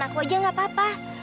aku aja gak apa apa